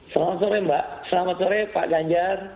selamat sore mbak selamat sore pak ganjar